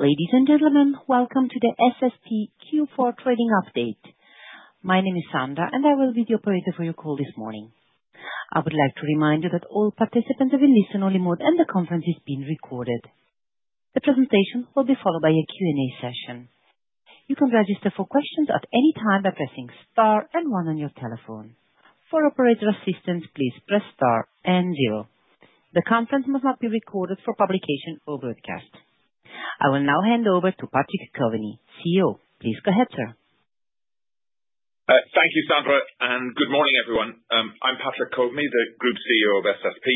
Ladies and gentlemen, welcome to the SSP Q4 Trading Update. My name is Sandra, and I will be the operator for your call this morning. I would like to remind you that all participants are in listen-only mode, and the conference is being recorded. The presentation will be followed by a Q&A session. You can register for questions at any time by pressing Star and 1 on your telephone. For operator assistance, please press Star and 0. The conference must not be recorded for publication or broadcast. I will now hand over to Patrick Coveney, CEO. Please go ahead, sir. Thank you, Sandra, and good morning, everyone. I'm Patrick Coveney, the Group CEO of SSP.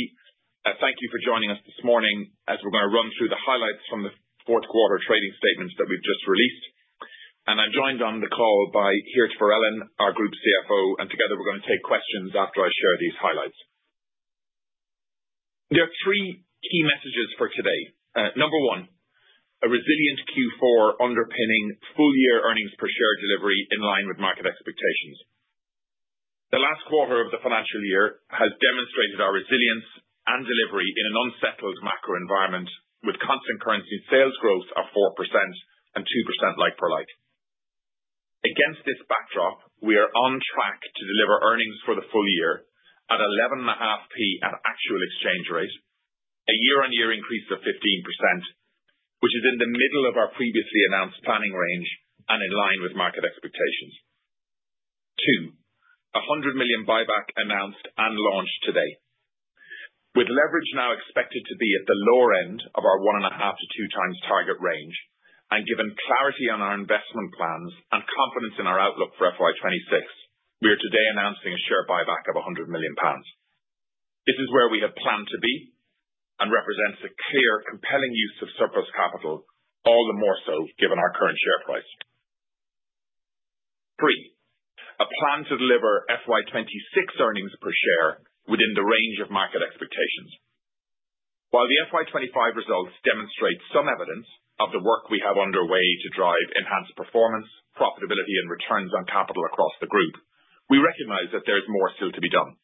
Thank you for joining us this morning as we're going to run through the highlights from the fourth quarter trading statements that we've just released. And I'm joined on the call by Geert Verellen, our Group CFO, and together we're going to take questions after I share these highlights. There are three key messages for today. Number one, a resilient Q4 underpinning full-year earnings per share delivery in line with market expectations. The last quarter of the financial year has demonstrated our resilience and delivery in an unsettled macro environment with constant currency sales growth of 4% and 2% like-for-like. Against this backdrop, we are on track to deliver earnings for the full-year at 11.5% at actual exchange rate, a year-on-year increase of 15%, which is in the middle of our previously announced planning range and in line with market expectations. Two, a £100 million buyback announced and launched today, with leverage now expected to be at the lower end of our one and a half to two times target range. And given clarity on our investment plans and confidence in our outlook for FY26, we are today announcing a share buyback of £100 million. This is where we have planned to be and represents a clear, compelling use of surplus capital, all the more so given our current share price. Three, a plan to deliver FY26 earnings per share within the range of market expectations. While the FY24 results demonstrate some evidence of the work we have underway to drive enhanced performance, profitability, and returns on capital across the group, we recognize that there is more still to be done,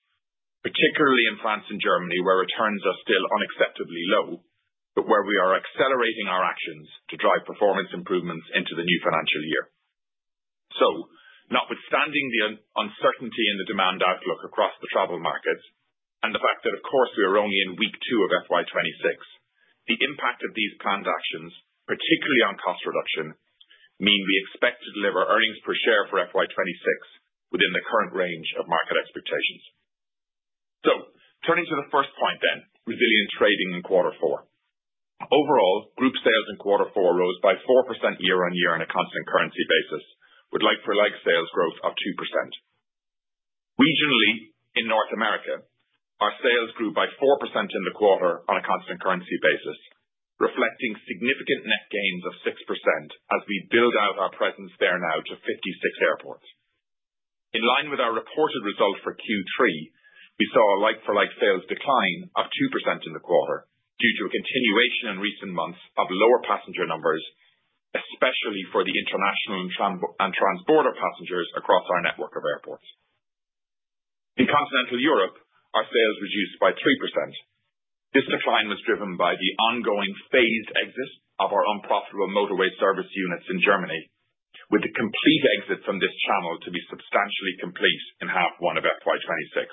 particularly in France and Germany, where returns are still unacceptably low, but where we are accelerating our actions to drive performance improvements into the new financial year. So, notwithstanding the uncertainty in the demand outlook across the travel markets and the fact that, of course, we are only in week two of FY26, the impact of these planned actions, particularly on cost reduction, means we expect to deliver earnings per share for FY26 within the current range of market expectations. So, turning to the first point then, resilient trading in quarter four. Overall, group sales in quarter four rose by 4% year-on-year on a constant currency basis, with like-for-like sales growth of 2%. Regionally, in North America, our sales grew by 4% in the quarter on a constant currency basis, reflecting significant net gains of 6% as we build out our presence there now to 56 airports. In line with our reported result for Q3, we saw a like-for-like sales decline of 2% in the quarter due to a continuation in recent months of lower passenger numbers, especially for the international and transborder passengers across our network of airports. In Continental Europe, our sales reduced by 3%. This decline was driven by the ongoing phased exit of our unprofitable motorway service units in Germany, with the complete exit from this channel to be substantially complete in half one of FY26.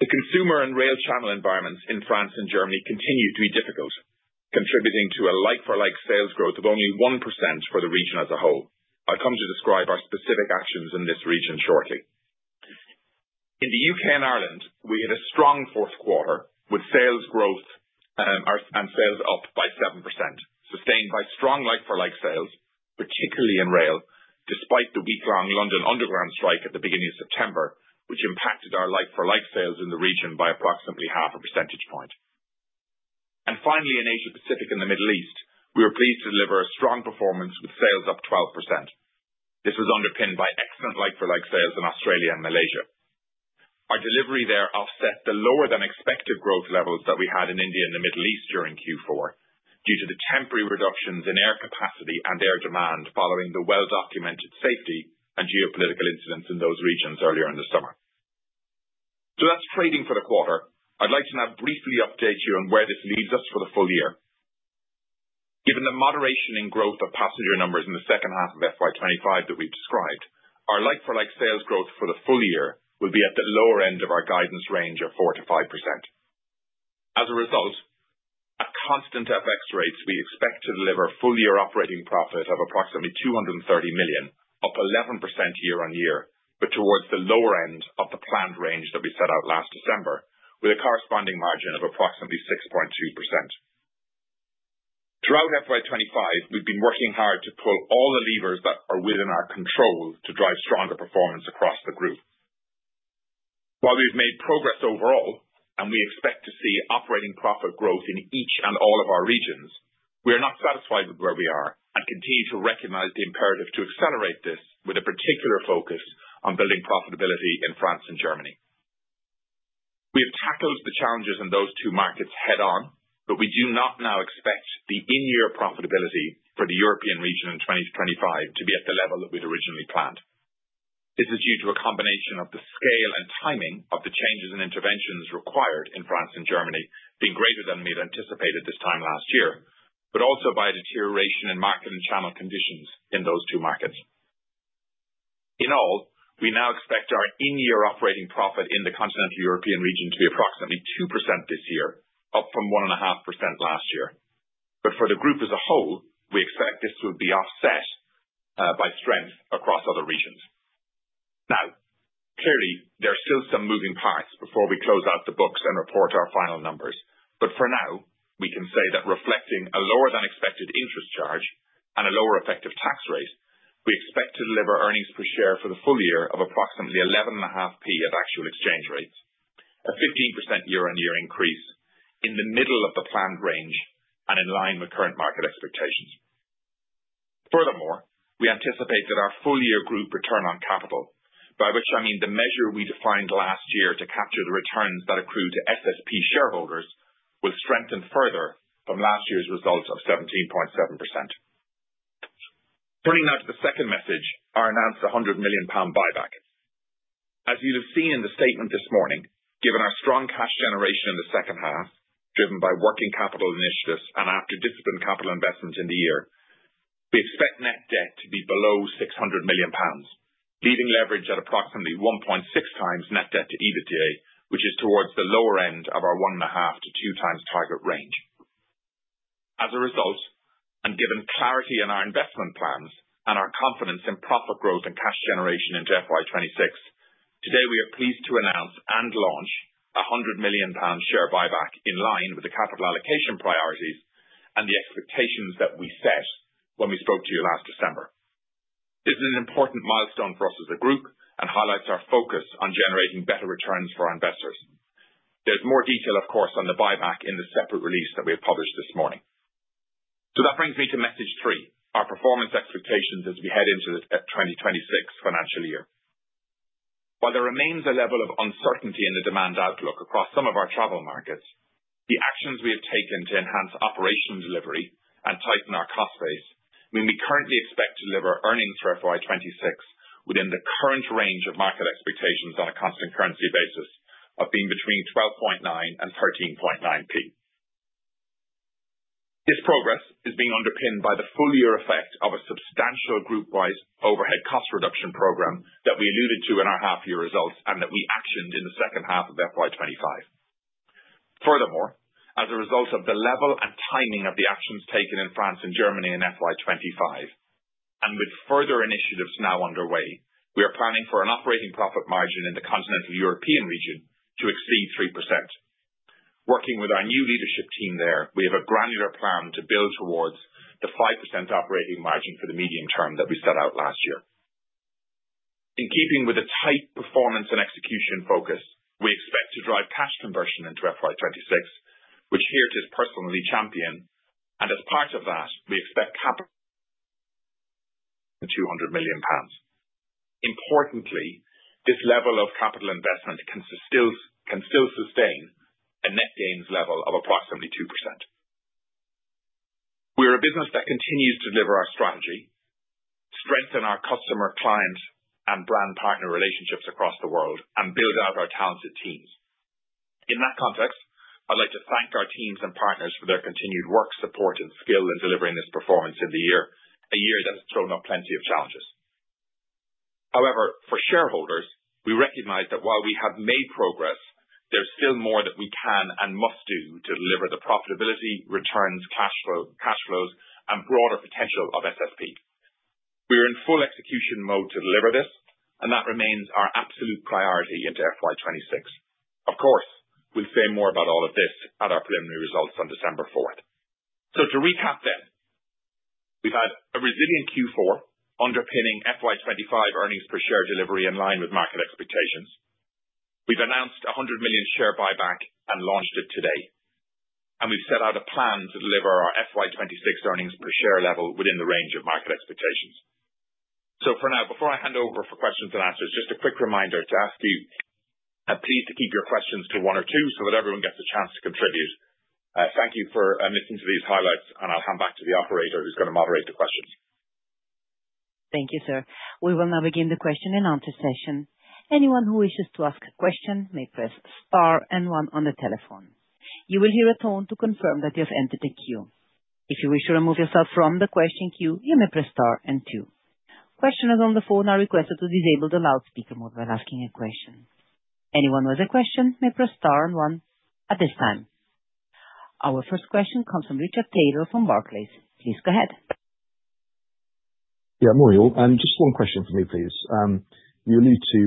The consumer and rail channel environments in France and Germany continue to be difficult, contributing to a like-for-like sales growth of only 1% for the region as a whole. I'll come to describe our specific actions in this region shortly. In the UK and Ireland, we had a strong fourth quarter with sales growth and sales up by 7%, sustained by strong like-for-like sales, particularly in rail, despite the week-long London Underground strike at the beginning of September, which impacted our like-for-like sales in the region by approximately half a percentage point. And finally, in Asia-Pacific and the Middle East, we were pleased to deliver a strong performance with sales up 12%. This was underpinned by excellent like-for-like sales in Australia and Malaysia. Our delivery there offset the lower-than-expected growth levels that we had in India and the Middle East during Q4 due to the temporary reductions in air capacity and air demand following the well-documented safety and geopolitical incidents in those regions earlier in the summer. So that's trading for the quarter. I'd like to now briefly update you on where this leaves us for the full-year. Given the moderation in growth of passenger numbers in the second half of FY24 that we've described, our like-for-like sales growth for the full-year will be at the lower end of our guidance range of 4%-5%. As a result, at constant FX rates, we expect to deliver full-year operating profit of approximately £230 million, up 11% year-on-year, but towards the lower end of the planned range that we set out last December, with a corresponding margin of approximately 6.2%. Throughout FY24, we've been working hard to pull all the levers that are within our control to drive stronger performance across the group. While we've made progress overall, and we expect to see operating profit growth in each and all of our regions, we are not satisfied with where we are and continue to recognize the imperative to accelerate this with a particular focus on building profitability in France and Germany. We have tackled the challenges in those two markets head-on, but we do not now expect the in-year profitability for the European region in 2025 to be at the level that we'd originally planned. This is due to a combination of the scale and timing of the changes and interventions required in France and Germany being greater than we had anticipated this time last year, but also by a deterioration in market and channel conditions in those two markets. In all, we now expect our in-year operating profit in the Continental European region to be approximately 2% this year, up from 1.5% last year. But for the group as a whole, we expect this will be offset by strength across other regions. Now, clearly, there are still some moving parts before we close out the books and report our final numbers. But for now, we can say that reflecting a lower-than-expected interest charge and a lower effective tax rate, we expect to deliver earnings per share for the full-year of approximately 11.5p at actual exchange rates, a 15% year-on-year increase in the middle of the planned range and in line with current market expectations. Furthermore, we anticipate that our full-year group return on capital, by which I mean the measure we defined last year to capture the returns that accrue to SSP shareholders, will strengthen further from last year's result of 17.7%. Turning now to the second message, our announced £100 million buyback. As you'll have seen in the statement this morning, given our strong cash generation in the second half, driven by working capital initiatives and disciplined capital investment in the year, we expect net debt to be below 600 million pounds, leaving leverage at approximately 1.6 times net debt to EBITDA, which is towards the lower end of our 1.5% to 2 times target range. As a result, and given clarity in our investment plans and our confidence in profit growth and cash generation into FY26, today we are pleased to announce and launch a £100 million share buyback in line with the capital allocation priorities and the expectations that we set when we spoke to you last December. This is an important milestone for us as a group and highlights our focus on generating better returns for our investors. There's more detail, of course, on the buyback in the separate release that we have published this morning. So that brings me to message three, our performance expectations as we head into the 2026 financial year. While there remains a level of uncertainty in the demand outlook across some of our travel markets, the actions we have taken to enhance operation delivery and tighten our cost base mean we currently expect to deliver earnings for FY26 within the current range of market expectations on a constant currency basis of being between 12.9% and 13.9%. This progress is being underpinned by the full-year effect of a substantial group-wide overhead cost reduction program that we alluded to in our half-year results and that we actioned in the second half of FY24. Furthermore, as a result of the level and timing of the actions taken in France and Germany in FY24, and with further initiatives now underway, we are planning for an operating profit margin in the Continental European region to exceed 3%. Working with our new leadership team there, we have a granular plan to build towards the 5% operating margin for the medium-term that we set out last year. In keeping with a tight performance and execution focus, we expect to drive cash conversion into FY26, which Geert is personally championing, and as part of that, we expect capital of 200 million pounds. Importantly, this level of capital investment can still sustain a net gains level of approximately 2%. We are a business that continues to deliver our strategy, strengthen our customer, client, and brand partner relationships across the world, and build out our talented teams. In that context, I'd like to thank our teams and partners for their continued work, support, and skill in delivering this performance in the year, a year that has thrown up plenty of challenges. However, for shareholders, we recognize that while we have made progress, there's still more that we can and must do to deliver the profitability, returns, cash flows, and broader potential of SSP. We are in full execution mode to deliver this, and that remains our absolute priority into FY26. Of course, we'll say more about all of this at our preliminary results on December 4th. So to recap then, we've had a resilient Q4 underpinning FY24 earnings per share delivery in line with market expectations. We've announced £100 million share buyback and launched it today. And we've set out a plan to deliver our FY26 earnings per share level within the range of market expectations. So for now, before I hand over for questions and answers, just a quick reminder to ask you, please, to keep your questions to one or two so that everyone gets a chance to contribute. Thank you for listening to these highlights, and I'll hand back to the operator who's going to moderate the questions. Thank you, sir. We will now begin the question and answer session. Anyone who wishes to ask a question may press Star and One on the telephone. You will hear a tone to confirm that you have entered the queue. If you wish to remove yourself from the question queue, you may press Star and Two. Questioners on the phone are requested to disable the loudspeaker mode while asking a question. Anyone with a question may press Star and One at this time. Our first question comes from Richard Taylor from Barclays. Please go ahead. Yeah, morning, all. Just one question for me, please. You alluded to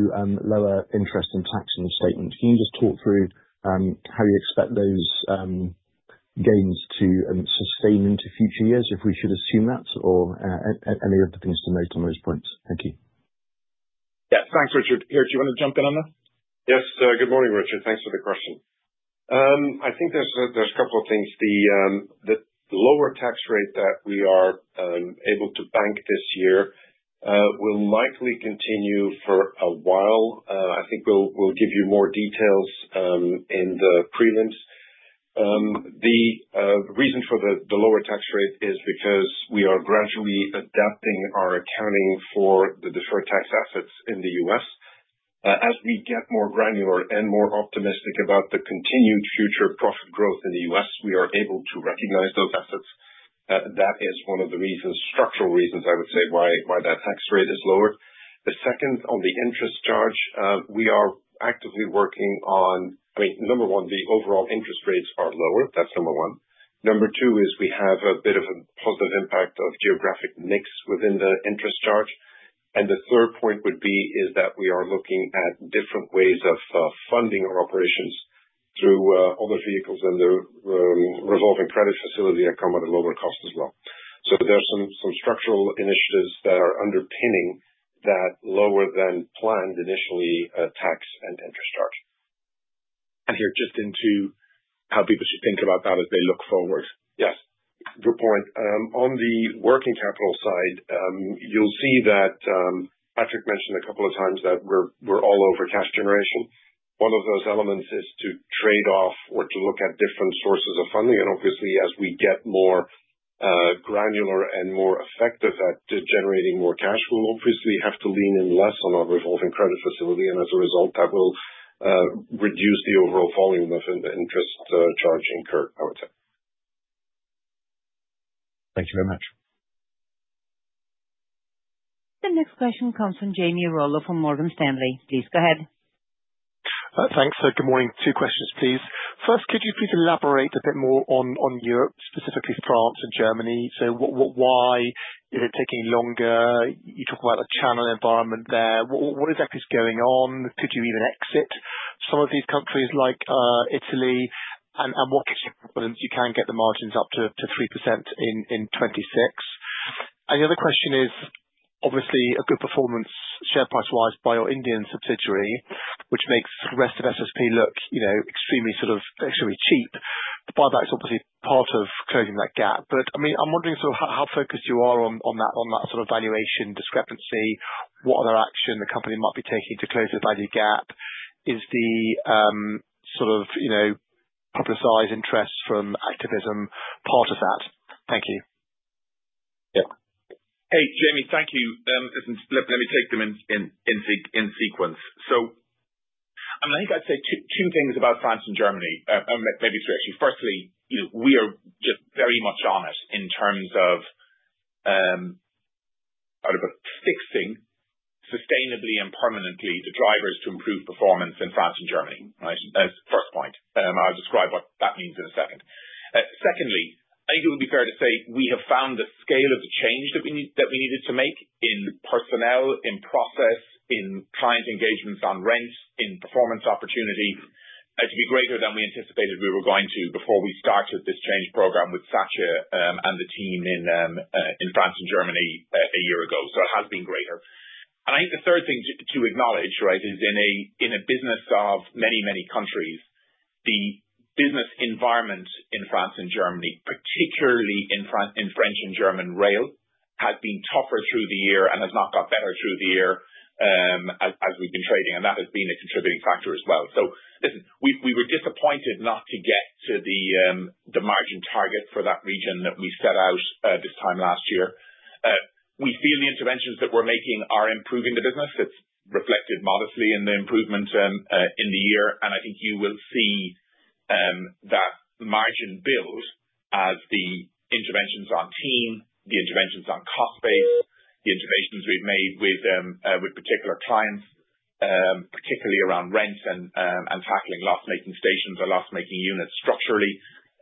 lower interest and tax in statement. Can you just talk through how you expect those gains to sustain into future years if we should assume that, or any other things to note on those points? Thank you. Yeah, thanks, Richard. Geert, do you want to jump in on that? Yes, good morning, Richard. Thanks for the question. I think there's a couple of things. The lower tax rate that we are able to bank this year will likely continue for a while. I think we'll give you more details in the prelims. The reason for the lower tax rate is because we are gradually adapting our accounting for the deferred tax assets in the U.S. As we get more granular and more optimistic about the continued future profit growth in the U.S., we are able to recognize those assets. That is one of the structural reasons, I would say, why that tax rate is lower. The second, on the interest charge, we are actively working on. I mean, number one, the overall interest rates are lower. That's number one. Number two is we have a bit of a positive impact of geographic mix within the interest charge. And the third point would be that we are looking at different ways of funding our operations through other vehicles and the revolving credit facility that come at a lower cost as well. So there's some structural initiatives that are underpinning that lower-than-planned initially tax and interest charge. And here, just into how people should think about that as they look forward. Yes, good point. On the working capital side, you'll see that Patrick mentioned a couple of times that we're all over cash generation. One of those elements is to trade off or to look at different sources of funding. And obviously, as we get more granular and more effective at generating more cash, we'll obviously have to lean in less on our revolving credit facility. And as a result, that will reduce the overall volume of interest charging curve, I would say. Thank you very much. The next question comes from Jamie Rollo from Morgan Stanley. Please go ahead. Thanks. Good morning. Two questions, please. First, could you please elaborate a bit more on Europe, specifically France and Germany? So why is it taking longer? You talk about the channel environment there. What exactly is going on? Could you even exit some of these countries like Italy? And what gives you confidence you can get the margins up to 3% in 2026? And the other question is, obviously, a good performance share price-wise by your Indian subsidiary, which makes the rest of SSP look extremely cheap. The buyback's obviously part of closing that gap. But I mean, I'm wondering sort of how focused you are on that sort of valuation discrepancy. What other action the company might be taking to close the value gap? Is the sort of publicized interest from activism part of that? Thank you. Yeah. Hey, Jamie, thank you. Let me take them in sequence. So, I mean, I think I'd say two things about France and Germany, maybe three, actually. Firstly, we are just very much on it in terms of fixing sustainably and permanently the drivers to improve performance in France and Germany, right? That's the first point. I'll describe what that means in a second. Secondly, I think it would be fair to say we have found the scale of the change that we needed to make in personnel, in process, in client engagements on rent, in performance opportunity to be greater than we anticipated we were going to before we started this change program with Satya and the team in France and Germany a year ago. So it has been greater. And I think the third thing to acknowledge, right, is in a business of many, many countries, the business environment in France and Germany, particularly in French and German rail, has been tougher through the year and has not got better through the year as we've been trading. And that has been a contributing factor as well. So, listen, we were disappointed not to get to the margin target for that region that we set out this time last year. We feel the interventions that we're making are improving the business. It's reflected modestly in the improvement in the year. And I think you will see that margin build as the interventions on team, the interventions on cost base, the interventions we've made with particular clients, particularly around rents and tackling loss-making stations or loss-making units structurally,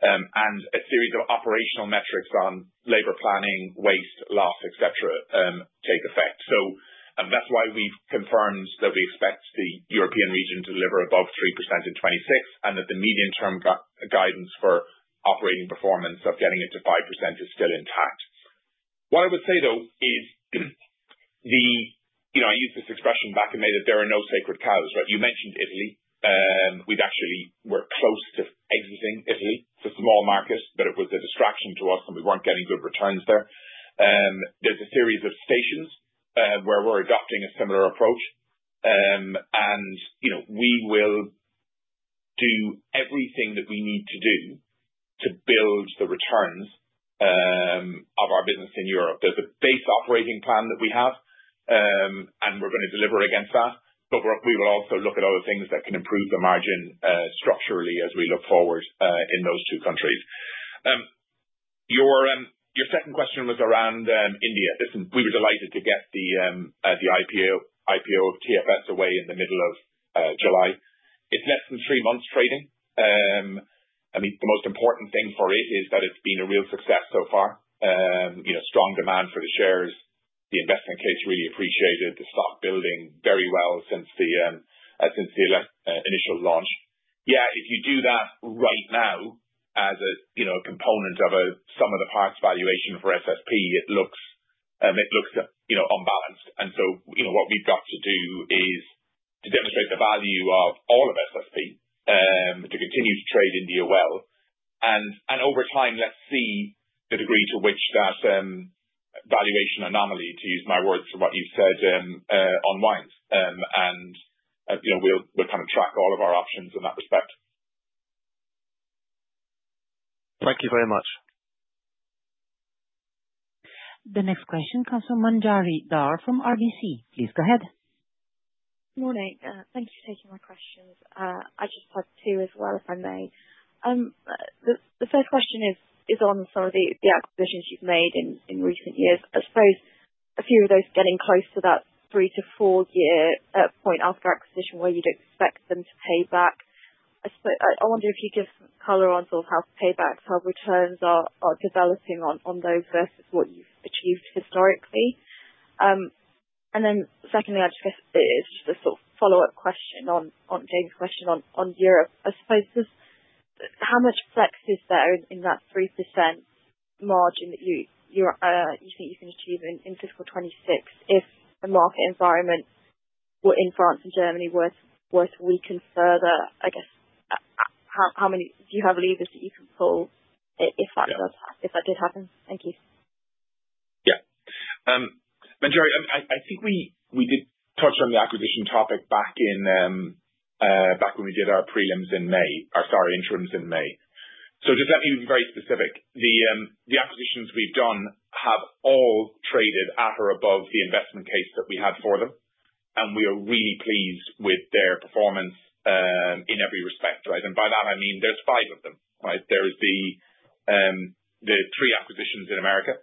and a series of operational metrics on labor planning, waste, loss, etc., take effect. So that's why we've confirmed that we expect the European region to deliver above 3% in 2026 and that the medium-term guidance for operating performance of getting it to 5% is still intact. What I would say, though, is I used this expression back in May that there are no sacred cows, right? You mentioned Italy. We actually were close to exiting Italy. It's a small market, but it was a distraction to us, and we weren't getting good returns there. There's a series of stations where we're adopting a similar approach, and we will do everything that we need to do to build the returns of our business in Europe. There's a base operating plan that we have, and we're going to deliver against that, but we will also look at other things that can improve the margin structurally as we look forward in those two countries. Your second question was around India. Listen, we were delighted to get the IPO of TFS away in the middle of July. It's less than three months trading. I mean, the most important thing for it is that it's been a real success so far. Strong demand for the shares. The investment case really appreciated. The stock building very well since the initial launch. Yeah, if you do that right now as a component of some of the past valuation for SSP, it looks unbalanced. And so what we've got to do is to demonstrate the value of all of SSP to continue to trade India well. And over time, let's see the degree to which that valuation anomaly, to use my words for what you've said, unwinds. And we'll kind of track all of our options in that respect. Thank you very much. The next question comes from Manjari Dhar from RBC. Please go ahead. Good morning. Thank you for taking my questions. I just had two as well, if I may. The first question is on some of the acquisitions you've made in recent years. I suppose a few of those getting close to that 3-4 year point after acquisition where you'd expect them to pay back. I wonder if you could just color on sort of how paybacks, how returns are developing on those versus what you've achieved historically. And then secondly, I just guess it's just a sort of follow-up question on James' question on Europe. I suppose how much flex is there in that 3% margin that you think you can achieve in fiscal 2026 if the market environment in France and Germany were to weaken further? I guess, do you have levers that you can pull if that did happen? Thank you. Yeah. Manjari, I think we did touch on the acquisition topic back when we did our prelims in May, or sorry, interims in May. So just let me be very specific. The acquisitions we've done have all traded at or above the investment case that we had for them. And we are really pleased with their performance in every respect, right? By that, I mean there's five of them, right? There's the three acquisitions in America,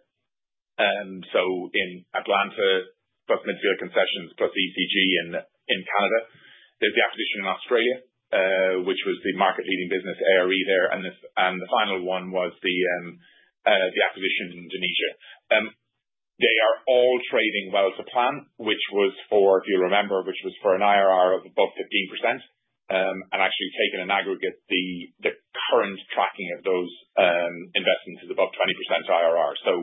so in Atlanta, plus Midfield Concession Enterprises, plus ECG in Canada. There's the acquisition in Australia, which was the market-leading business, ARE there, and the final one was the acquisition in Indonesia. They are all trading well to plan, which was for, if you remember, which was for an IRR of above 15%. Actually, taken in aggregate, the current tracking of those investments is above 20% IRR, so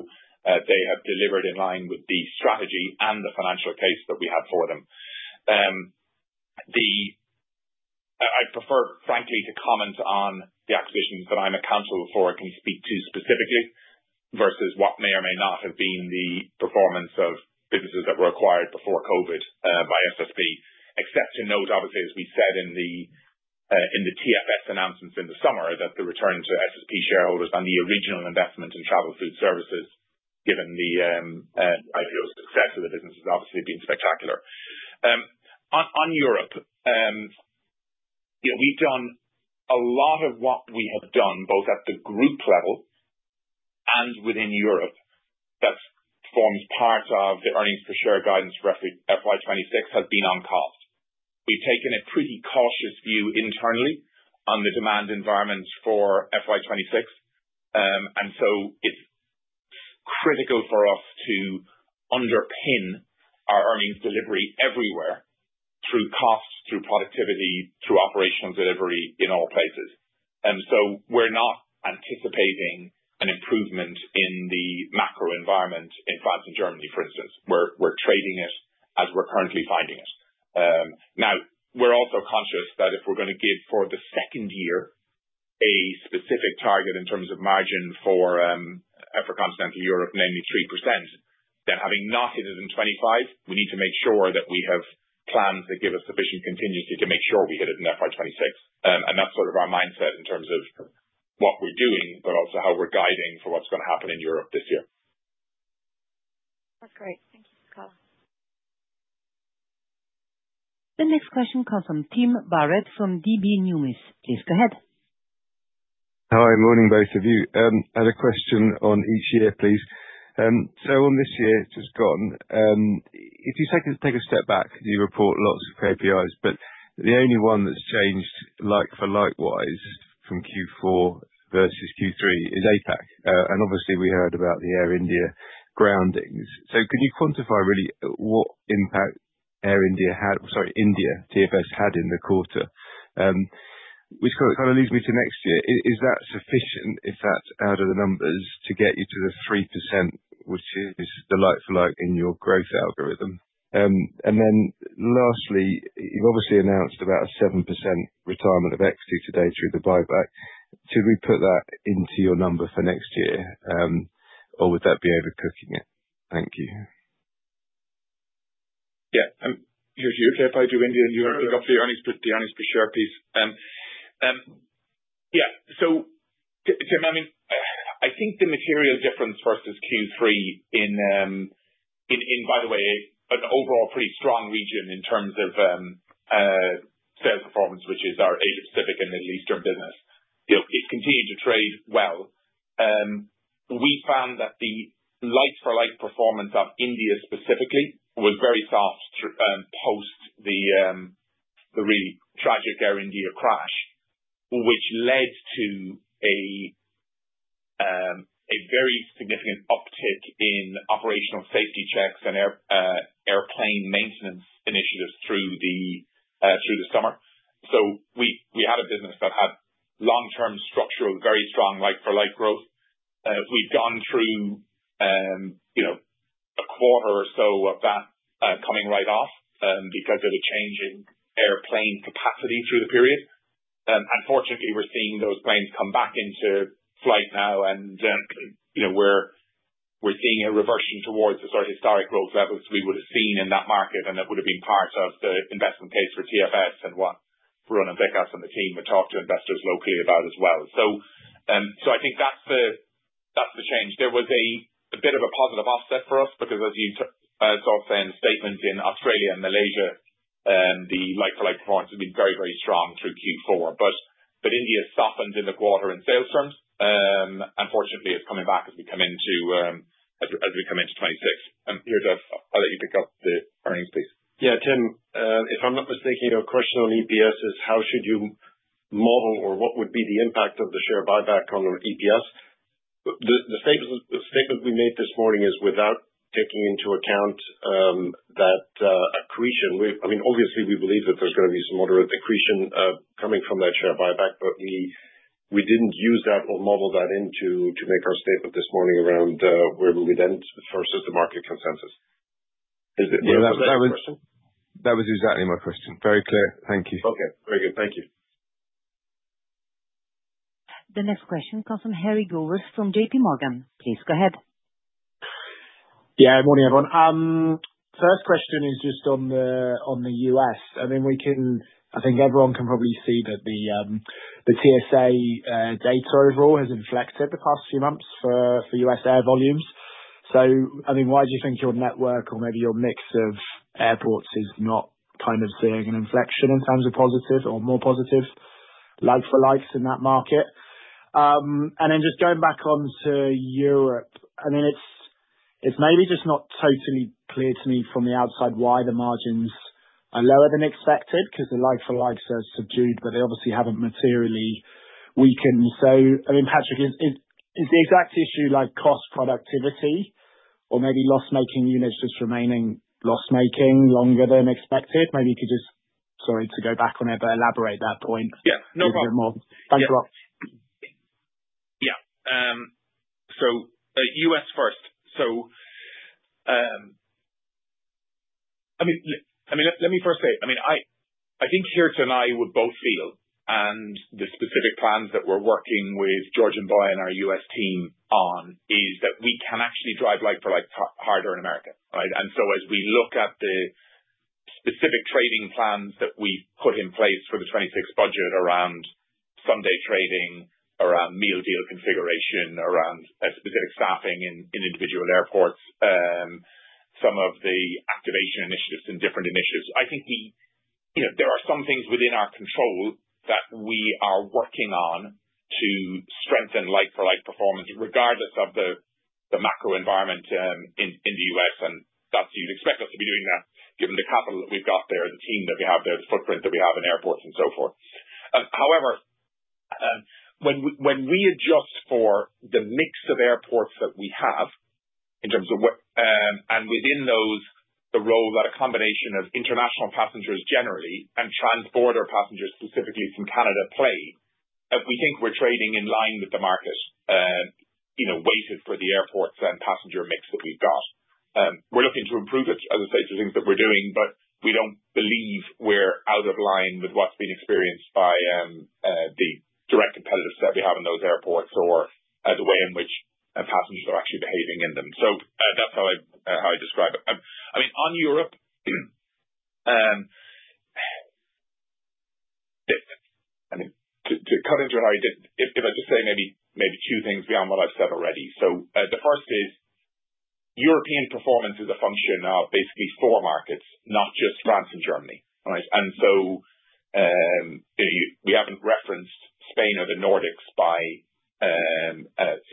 they have delivered in line with the strategy and the financial case that we had for them. I'd prefer, frankly, to comment on the acquisitions that I'm accountable for and can speak to specifically versus what may or may not have been the performance of businesses that were acquired before COVID by SSP. Except to note, obviously, as we said in the TFS announcements in the summer, that the return to SSP shareholders on the original investment in travel food services, given the IPO success of the business, has obviously been spectacular. On Europe, we've done a lot of what we have done, both at the group level and within Europe, that forms part of the earnings per share guidance for FY26, has been on cost. We've taken a pretty cautious view internally on the demand environment for FY26, and so it's critical for us to underpin our earnings delivery everywhere through cost, through productivity, through operational delivery in all places, and so we're not anticipating an improvement in the macro environment in France and Germany, for instance. We're trading it as we're currently finding it. Now, we're also conscious that if we're going to give for the second year a specific target in terms of margin for Continental Europe, namely 3%, then having not hit it in 2025, we need to make sure that we have plans that give us sufficient contingency to make sure we hit it in FY26. And that's sort of our mindset in terms of what we're doing, but also how we're guiding for what's going to happen in Europe this year. That's great. Thank you for the call. The next question comes from Tim Barrett from Deutsche Numis. Please go ahead. Hi, morning, both of you. I had a question on each year, please. So on this year, it's just gone. If you take a step back, you report lots of KPIs, but the only one that's changed like-for-like wise from Q4 versus Q3 is APAC. And obviously, we heard about the Air India groundings. So can you quantify really what impact Air India had, sorry, India, TFS had in the quarter? Which kind of leads me to next year. Is that sufficient, if that's out of the numbers, to get you to the 3%, which is the like-for-like in your growth algorithm? And then lastly, you've obviously announced about a 7% retirement of equity today through the buyback. Should we put that into your number for next year, or would that be overcooking it? Thank you. Yeah. Here's your KPI to India, and you want to pick up the earnings per share piece. Yeah. So, Tim, I mean, I think the material difference versus Q3 in, by the way, an overall pretty strong region in terms of sales performance, which is our Asia-Pacific and Middle Eastern business. It's continued to trade well. We found that the like-for-like performance of India specifically was very soft post the really tragic Air India crash, which led to a very significant uptick in operational safety checks and airplane maintenance initiatives through the summer, so we had a business that had long-term structural, very strong like-for-like growth. We've gone through a quarter or so of that coming right off because of a change in airplane capacity through the period. Unfortunately, we're seeing those planes come back into flight now, and we're seeing a reversion towards the sort of historic growth levels we would have seen in that market, and that would have been part of the investment case for TFS and what Varun, Vikas and the team would talk to investors locally about as well, so I think that's the change. There was a bit of a positive offset for us because, as you saw in the statement in Australia and Malaysia, the like-for-like performance had been very, very strong through Q4, but India softened in the quarter in sales terms. Unfortunately, it's coming back as we come into 2026, and here's a. I'll let you pick up the earnings piece. Yeah, Tim, if I'm not mistaken, your question on EPS is how should you model or what would be the impact of the share buyback on EPS? The statement we made this morning is without taking into account that accretion. I mean, obviously, we believe that there's going to be some moderate accretion coming from that share buyback, but we didn't use that or model that in to make our statement this morning around where we would end versus the market consensus. Is that the question? That was exactly my question. Very clear. Thank you. Okay. Very good. Thank you. The next question comes from Harry Gowers from J.P. Morgan. Please go ahead. Yeah, morning, everyone. First question is just on the U.S. I mean, I think everyone can probably see that the TSA data overall has inflected the past few months for U.S. air volumes. So, I mean, why do you think your network or maybe your mix of airports is not kind of seeing an inflection in terms of positive or more positive like-for-likes in that market? And then just going back on to Europe, I mean, it's maybe just not totally clear to me from the outside why the margins are lower than expected because the like-for-likes are subdued, but they obviously haven't materially weakened. So, I mean, Patrick, is the exact issue like cost productivity or maybe loss-making units just remaining loss-making longer than expected? Maybe you could just, sorry to go back on it, but elaborate that point. Yeah. No problem. Thanks a lot. Yeah. So U.S. first. So, I mean, let me first say, I mean, I think here tonight we're both feel and the specific plans that we're working with George and Boy and our U.S. team on is that we can actually drive like-for-like harder in America, right? And so as we look at the specific trading plans that we've put in place for the 2026 budget around Sunday trading, around meal deal configuration, around specific staffing in individual airports, some of the activation initiatives and different initiatives, I think there are some things within our control that we are working on to strengthen like-for-like performance regardless of the macro environment in the U.S. And that's what you'd expect us to be doing that given the capital that we've got there, the team that we have there, the footprint that we have in airports, and so forth. However, when we adjust for the mix of airports that we have in terms of what's within those, the role that a combination of international passengers generally and trans-border passengers specifically from Canada play, we think we're trading in line with the market weighted for the airports and passenger mix that we've got. We're looking to improve it, as I say, through things that we're doing, but we don't believe we're out of line with what's been experienced by the direct competitors that we have in those airports or the way in which passengers are actually behaving in them. So that's how I describe it. I mean, on Europe, I mean, to cut into it, if I just say maybe two things beyond what I've said already. So the first is European performance is a function of basically four markets, not just France and Germany, right? And so we haven't referenced Spain or the Nordics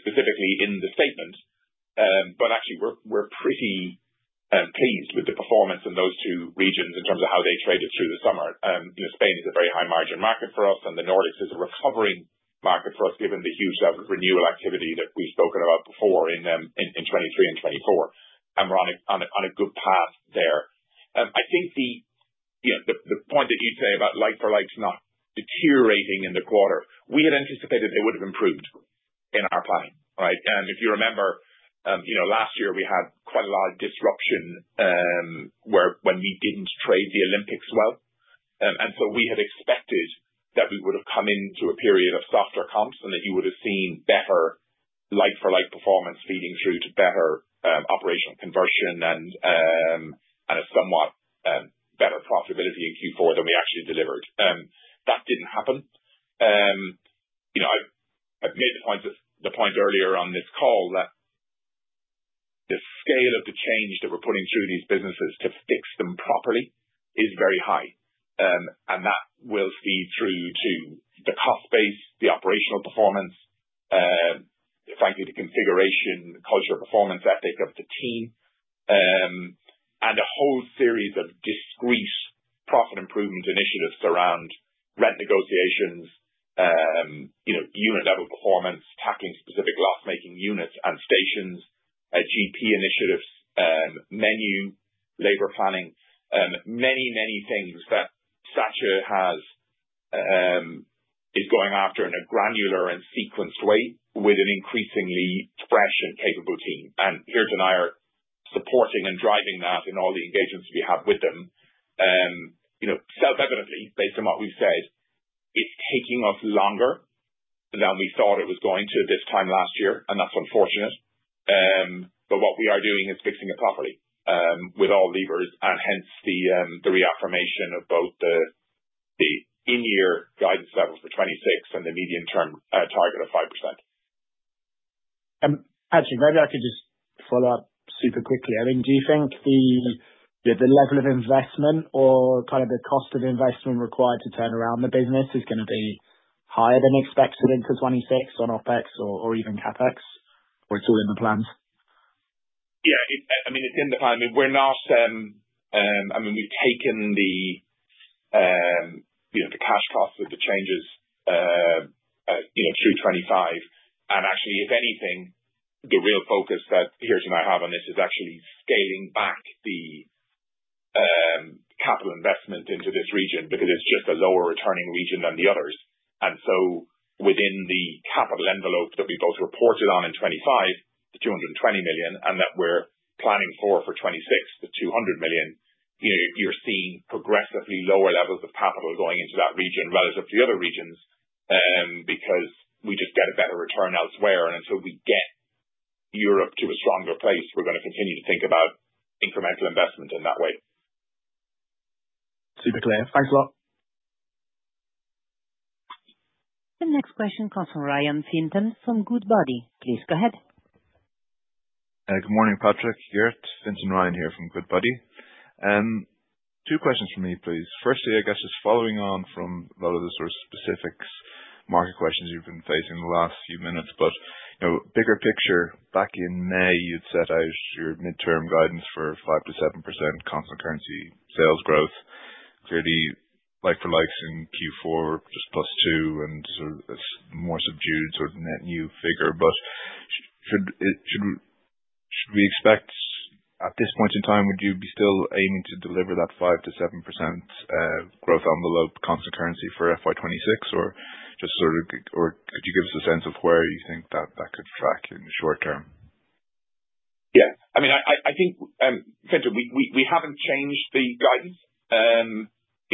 specifically in the statement, but actually, we're pretty pleased with the performance in those two regions in terms of how they traded through the summer. Spain is a very high-margin market for us, and the Nordics is a recovering market for us given the huge level of renewal activity that we've spoken about before in 2023 and 2024. And we're on a good path there. I think the point that you'd say about like-for-like not deteriorating in the quarter, we had anticipated they would have improved in our planning, right? If you remember, last year, we had quite a lot of disruption when we didn't trade the Olympics well. We had expected that we would have come into a period of softer comps and that you would have seen better like-for-like performance feeding through to better operational conversion and a somewhat better profitability in Q4 than we actually delivered. That didn't happen. I've made the point earlier on this call that the scale of the change that we're putting through these businesses to fix them properly is very high. And that will feed through to the cost base, the operational performance, frankly, the configuration, culture, performance ethic of the team, and a whole series of discrete profit improvement initiatives around rent negotiations, unit-level performance, tackling specific loss-making units and stations, GP initiatives, menu, labor planning, any, many things that SACER is going after in a granular and sequenced way with an increasingly fresh and capable team. And here tonight, supporting and driving that in all the engagements we have with them, self-evidently, based on what we've said, it's taking us longer than we thought it was going to this time last year, and that's unfortunate. But what we are doing is fixing it properly with all levers, and hence the reaffirmation of both the in-year guidance level for 2026 and the medium-term target of 5%. Actually, Maybe I could just follow up super quickly. I mean, do you think the level of investment or kind of the cost of investment required to turn around the business is going to be higher than expected into 2026 on OpEx or even CapEx, or it's all in the plans? Yeah. I mean, it's in the plan. I mean, we're not, I mean, we've taken the cash costs of the changes through 2025. And actually, if anything, the real focus that here tonight I have on this is actually scaling back the capital investment into this region because it's just a lower-returning region than the others. And so within the capital envelope that we both reported on in 2025, the 220 million, and that we're planning for 2026, the 200 million, you're seeing progressively lower levels of capital going into that region relative to the other regions because we just get a better return elsewhere. And until we get Europe to a stronger place, we're going to continue to think about incremental investment in that way. Super clear. Thanks a lot. The next question comes from Fintan Ryan from Goodbody. Please go ahead. Good morning, Patrick. Geert, Fintan Ryan here from Goodbody. Two questions from me, please. Firstly, I guess just following on from a lot of the sort of specific market questions you've been facing in the last few minutes, but bigger picture, back in May, you'd set out your midterm guidance for 5%-7% constant currency sales growth. Clearly, like-for-likes in Q4 just plus two and sort of more subdued sort of net new figure. But should we expect at this point in time, would you be still aiming to deliver that 5%-7% growth envelope constant currency for FY26, or just sort of—or could you give us a sense of where you think that that could track in the short term? Yeah. I mean, I think, Fintan, we haven't changed the guidance.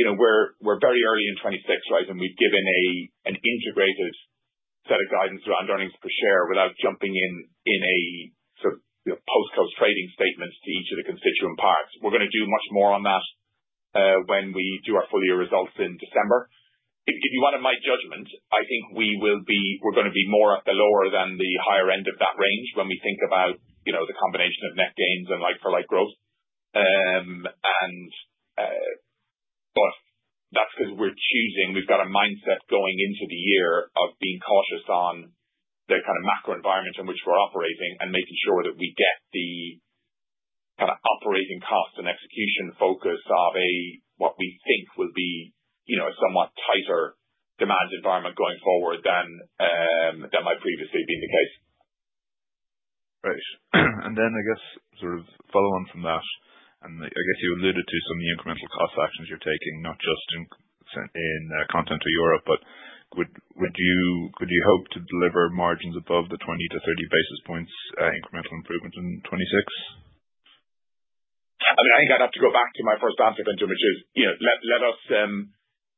We're very early in 26, right? And we've given an integrated set of guidance around earnings per share without jumping in a sort of post-close trading statement to each of the constituent parts. We're going to do much more on that when we do our full-year results in December. If you wanted my judgment, I think we're going to be more at the lower than the higher end of that range when we think about the combination of net gains and like-for-like growth. But that's because we're choosing, we've got a mindset going into the year of being cautious on the kind of macro environment in which we're operating and making sure that we get the kind of operating cost and execution focus of what we think will be a somewhat tighter demand environment going forward than might previously have been the case. Right. And then I guess sort of follow on from that. And I guess you alluded to some of the incremental cost actions you're taking, not just in Continental Europe, but would you hope to deliver margins above the 20-30 basis points incremental improvement in 2026? I mean, I think I'd have to go back to my first answer, Fintan, which is let us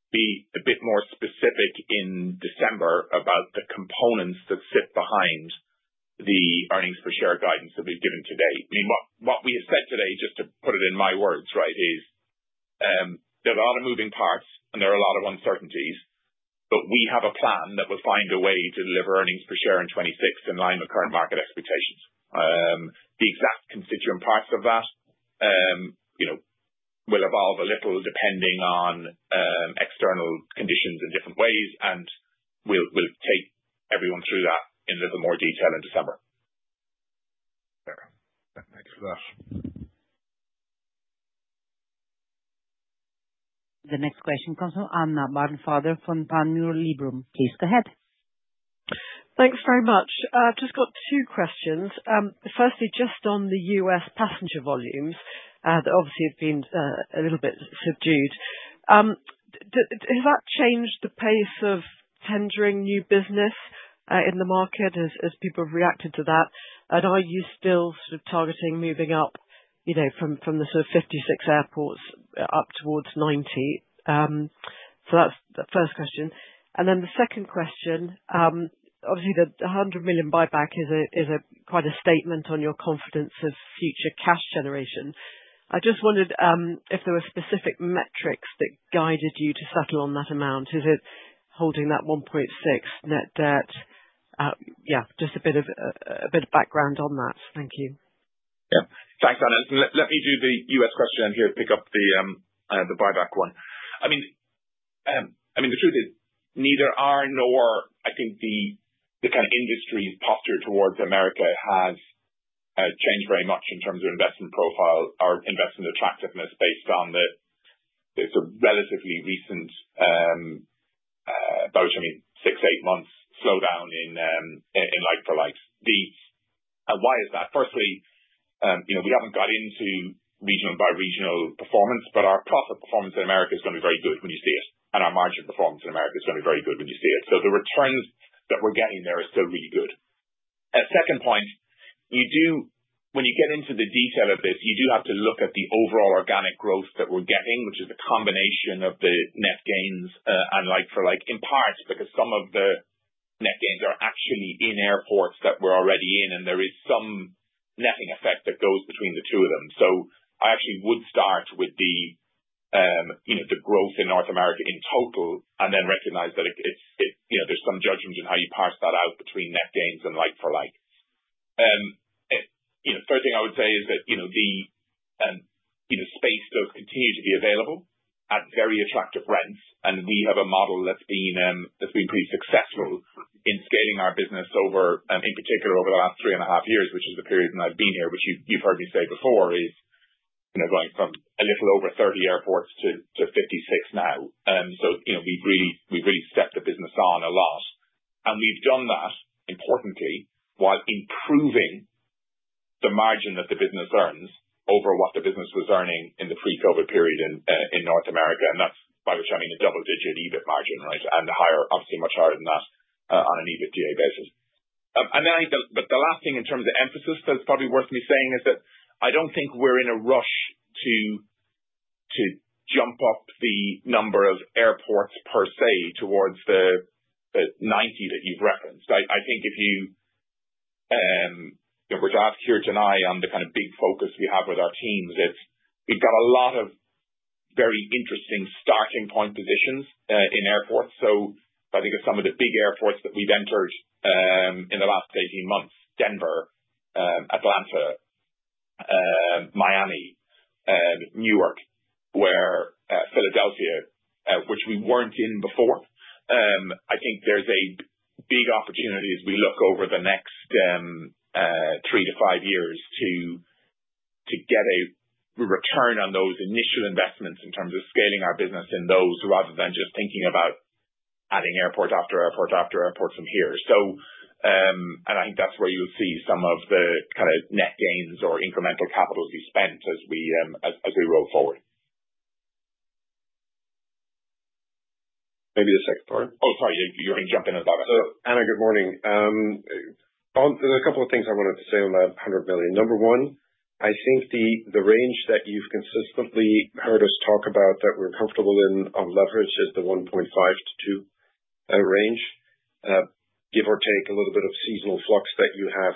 be a bit more specific in December about the components that sit behind the earnings per share guidance that we've given today. I mean, what we have said today, just to put it in my words, right, is there's a lot of moving parts, and there are a lot of uncertainties, but we have a plan that will find a way to deliver earnings per share in 2026 in line with current market expectations. The exact constituent parts of that will evolve a little depending on external conditions in different ways, and we'll take everyone through that in a little more detail in December. Thanks for that. The next question comes from Anna Barnfather from Panmure Liberum. Please go ahead. Thanks very much. I've just got two questions. Firstly, just on the U.S. passenger volumes that obviously have been a little bit subdued, has that changed the pace of tendering new business in the market as people have reacted to that? And are you still sort of targeting moving up from the sort of 56 airports up towards 90? So that's the first question. And then the second question, obviously, the £100 million buyback is quite a statement on your confidence of future cash generation. I just wondered if there were specific metrics that guided you to settle on that amount. Is it holding that 1.6 net debt? Yeah, just a bit of background on that. Thank you. Yeah. Thanks, Anna. Let me do the U.S. question and here pick up the buyback one. I mean, the truth is neither us nor I think the kind of industry's posture towards America has changed very much in terms of investment profile or investment attractiveness based on the sort of relatively recent, I mean, six, eight months slowdown in like-for-likes. And why is that? Firstly, we haven't got into region-by-region performance, but our profit performance in America is going to be very good when you see it. And our margin performance in America is going to be very good when you see it. So the returns that we're getting there are still really good. Second point, when you get into the detail of this, you do have to look at the overall organic growth that we're getting, which is the combination of the net gains and like-for-like in part because some of the net gains are actually in airports that we're already in, and there is some netting effect that goes between the two of them. So I actually would start with the growth in North America in total and then recognize that there's some judgment in how you parse that out between net gains and like-for-like. First thing I would say is that the space does continue to be available at very attractive rents, and we have a model that's been pretty successful in scaling our business over, in particular, over the last three and a half years, which is the period when I've been here, which you've heard me say before, is going from a little over 30 airports to 56 now, so we've really stepped the business on a lot, and we've done that, importantly, while improving the margin that the business earns over what the business was earning in the pre-COVID period in North America, and that's by which I mean a double-digit EBIT margin, right, and obviously much higher than that on an EBITDA basis. But the last thing in terms of emphasis that's probably worth me saying is that I don't think we're in a rush to jump up the number of airports per se towards the 90 that you've referenced. I think if you were to ask here tonight on the kind of big focus we have with our teams, we've got a lot of very interesting starting point positions in airports. So I think of some of the big airports that we've entered in the last 18 months: Denver, Atlanta, Miami, New York, Philadelphia, which we weren't in before. I think there's a big opportunity as we look over the next three to five years to get a return on those initial investments in terms of scaling our business in those rather than just thinking about adding airport after airport after airport from here. And I think that's where you'll see some of the kind of net gains or incremental capital to be spent as we roll forward. Maybe the second part. Oh, sorry. You're going to jump in as well. So, Anna, good morning. There's a couple of things I wanted to say on that £100 million. Number one, I think the range that you've consistently heard us talk about that we're comfortable in on leverage is the 1.5-2 range, give or take a little bit of seasonal flux that you have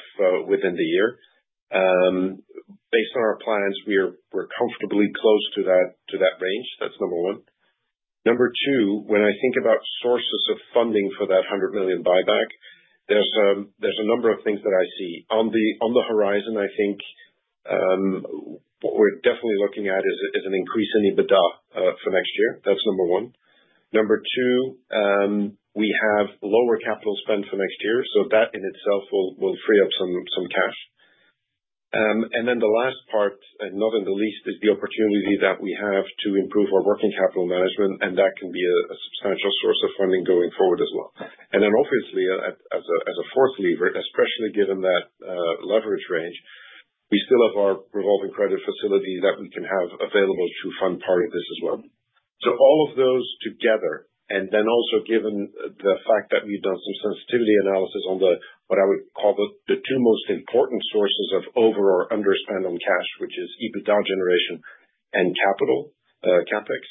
within the year. Based on our plans, we're comfortably close to that range. That's number one. Number two, when I think about sources of funding for that £100 million buyback, there's a number of things that I see. On the horizon, I think what we're definitely looking at is an increase in EBITDA for next year. That's number one. Number two, we have lower capital spend for next year. So that in itself will free up some cash, and then the last part, and not in the least, is the opportunity that we have to improve our working capital management, and that can be a substantial source of funding going forward as well, and then obviously, as a fourth lever, especially given that leverage range, we still have our revolving credit facility that we can have available to fund part of this as well. So all of those together, and then also given the fact that we've done some sensitivity analysis on what I would call the two most important sources of over or underspend on cash, which is EBITDA generation and capital Capex,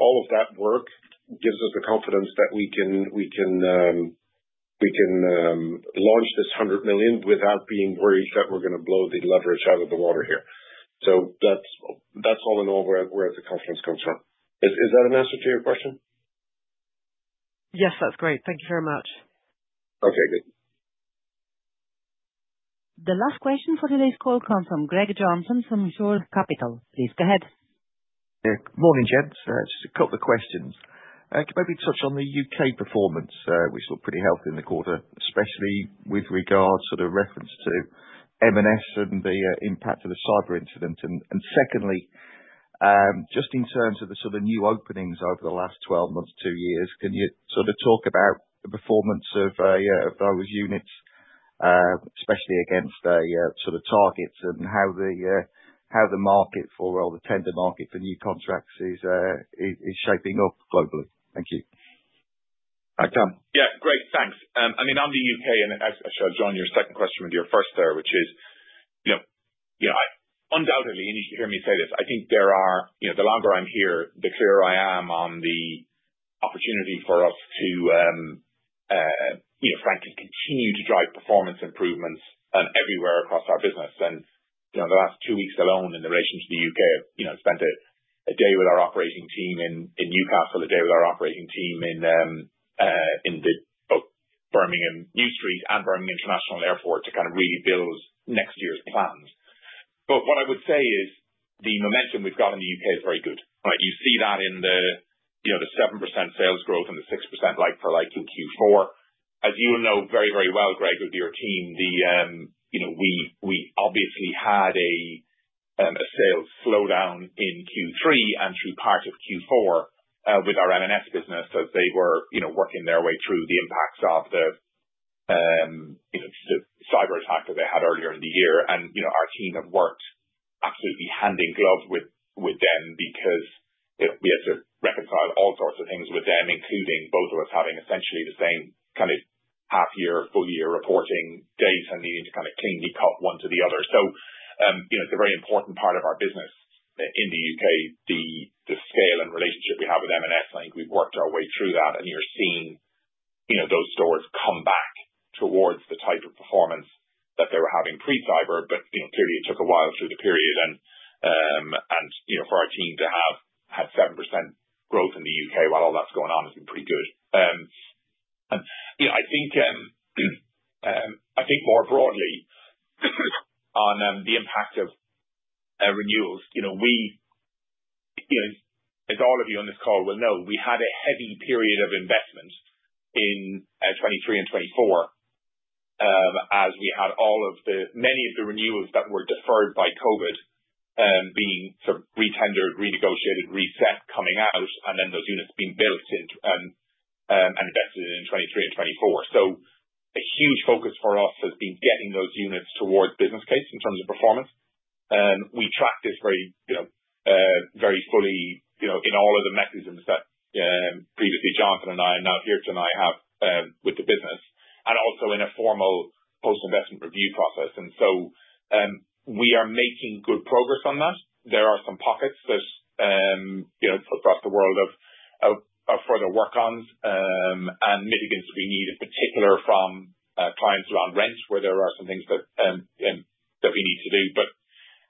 all of that work gives us the confidence that we can launch this £100 million without being worried that we're going to blow the leverage out of the water here. So that's all in all where the confidence comes from. Is that an answer to your question? Yes, that's great. Thank you very much. Okay, good. The last question for today's call comes from Greg Johnson from Shore Capital. Please go ahead. Good morning, Geert. Just a couple of questions. Could maybe touch on the U.K. performance, which looked pretty healthy in the quarter, especially with regard to the reference to M&S and the impact of the cyber incident. And secondly, just in terms of the sort of new openings over the last 12 months, two years, can you sort of talk about the performance of those units, especially against their sort of targets, and how the market for all the tender market for new contracts is shaping up globally? Thank you. Thanks, Greg. Yeah. Great. Thanks. I mean, on the U.K., and I should have joined your second question with your first there, which is, yeah, undoubtedly, and you should hear me say this, I think the longer I'm here, the clearer I am on the opportunity for us to frankly continue to drive performance improvements everywhere across our business. And the last two weeks alone in relation to the UK, I spent a day with our operating team in Newcastle, a day with our operating team in the Birmingham New Street and Birmingham International Airport to kind of really build next year's plans. But what I would say is the momentum we've got in the UK is very good. You see that in the 7% sales growth and the 6% like-for-like in Q4. As you will know very, very well, Greg, with your team, we obviously had a sales slowdown in Q3 and through part of Q4 with our M&S business as they were working their way through the impacts of the cyber attack that they had earlier in the year. And our team have worked absolutely hand in glove with them because we had to reconcile all sorts of things with them, including both of us having essentially the same kind of half-year, full-year reporting days and needing to kind of cleanly cut one to the other. So it's a very important part of our business in the U.K., the scale and relationship we have with M&S. I think we've worked our way through that, and you're seeing those stores come back towards the type of performance that they were having pre-cyber, but clearly it took a while through the period. And for our team to have had 7% growth in the U.K. while all that's going on has been pretty good. And I think more broadly on the impact of renewals, as all of you on this call will know, we had a heavy period of investment in 2023 and 2024 as we had all of the many of the renewals that were deferred by COVID being sort of retendered, renegotiated, reset coming out, and then those units being built and invested in 2023 and 2024. So a huge focus for us has been getting those units towards business case in terms of performance. We track this very fully in all of the mechanisms that previously Jonathan and I and now here tonight have with the business, and also in a formal post-investment review process. And so we are making good progress on that. There are some pockets that across the world of further work on and mitigants we need, in particular from clients around rent where there are some things that we need to do. But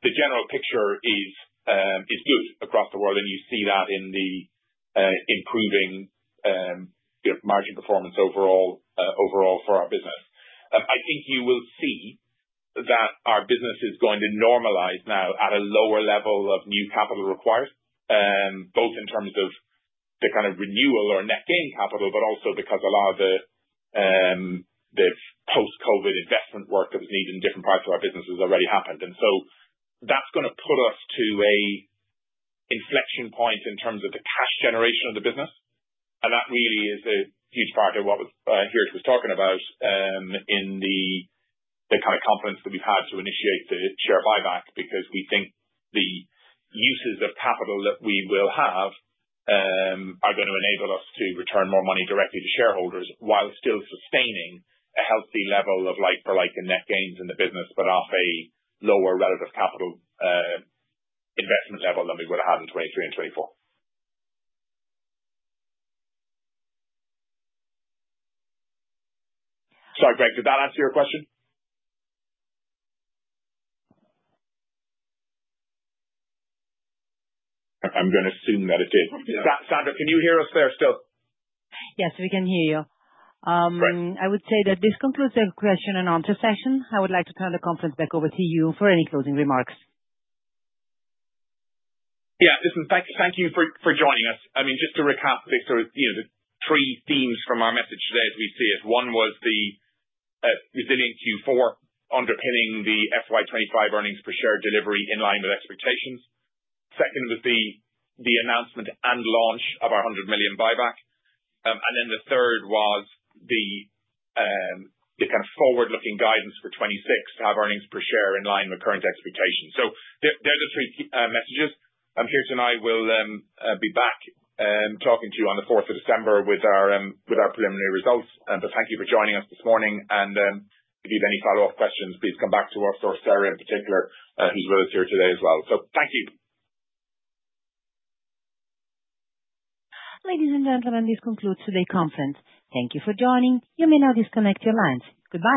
the general picture is good across the world, and you see that in the improving margin performance overall for our business. I think you will see that our business is going to normalize now at a lower level of new capital required, both in terms of the kind of renewal or net gain capital, but also because a lot of the post-COVID investment work that was needed in different parts of our business has already happened. And so that's going to put us to an inflection point in terms of the cash generation of the business. And that really is a huge part of what Harry was talking about in the kind of confidence that we've had to initiate the share buyback because we think the uses of capital that we will have are going to enable us to return more money directly to shareholders while still sustaining a healthy level of like-for-like and net gains in the business, but off a lower relative capital investment level than we would have had in 2023 and 2024. Sorry, Greg, did that answer your question? I'm going to assume that it did. Sandra, can you hear us there still? Yes, we can hear you. I would say that this concludes the question and answer session. I would like to turn the conference back over to you for any closing remarks. Yeah. Listen, thank you for joining us. I mean, just to recap the sort of three themes from our message today as we see it. One was the resilient Q4 underpinning the FY24 earnings per share delivery in line with expectations. Second was the announcement and launch of our £100 million buyback. And then the third was the kind of forward-looking guidance for 2026 to have earnings per share in line with current expectations. So they're the three messages. I'm here tonight. We'll be back talking to you on the 4th of December with our preliminary results. But thank you for joining us this morning. And if you have any follow-up questions, please come back to us or Sarah in particular, who's with us here today as well. So thank you. Ladies and gentlemen, this concludes today's conference. Thank you for joining. You may now disconnect your lines. Goodbye.